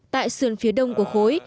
tại sườn phía đông của khối